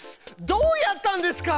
どうやったんですか？